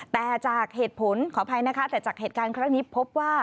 แต่จากเหตุผลขออภัยนะคะแต่จากเหตุการณ์ครั้งนี้พบว่า